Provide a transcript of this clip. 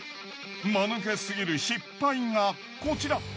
まぬけすぎる失敗がこちら。